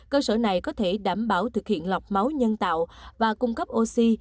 cơ sở này có thể đảm bảo thực hiện lọc máu nhân tạo và cung cấp oxy